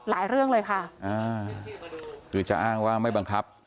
เรื่องเลยค่ะอ่าคือจะอ้างว่าไม่บังคับ